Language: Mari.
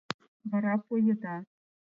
Вара поеда.